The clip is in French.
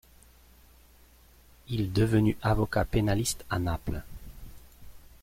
Il devenu avocat pénaliste à Naples.